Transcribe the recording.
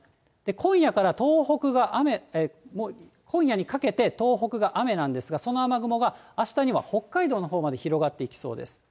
今夜から東北が雨、もう今夜にかけて東北が雨なんですが、その雨雲があしたには北海道のほうまで広がっていきそうです。